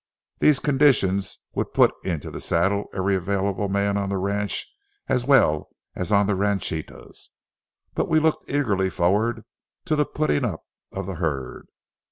These conditions would put into the saddle every available man on the ranch as well as on the ranchitas. But we looked eagerly forward to the putting up of the herd.